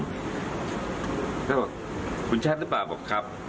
เขาบอกคุณชัดหรือเปล่าบอกครับ